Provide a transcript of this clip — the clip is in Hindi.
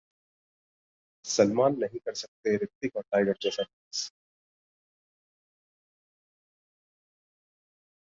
सलमान नहीं कर सकते रितिक और टाइगर जैसा डांस!